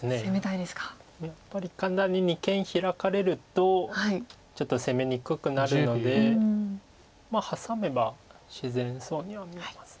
やっぱり二間ヒラかれるとちょっと攻めにくくなるのでハサめば自然そうには見えます。